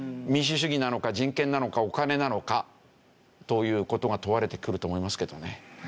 民主主義なのか人権なのかお金なのかという事が問われてくると思いますけどね。